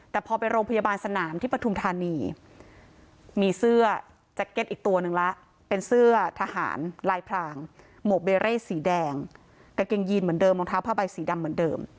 แต่พอไปโรงพยาบาลสนามที่ปฐุมธานีมีเสื้อแจ็คเก็ตอีกตัวนึงละเป็นเสื้อทหารลายพรางหมวกเบเร่สีแดงกางเกงยีนเหมือนเดิมรองเท้าผ้าใบสีดำเหมือนเดิม